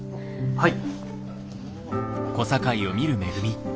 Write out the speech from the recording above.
はい。